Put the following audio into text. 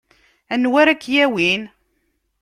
Anwa ara k-yawin?